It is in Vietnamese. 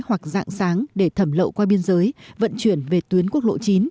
hoặc dạng sáng để thẩm lậu qua biên giới vận chuyển về tuyến quốc lộ chín